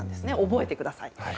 覚えてください。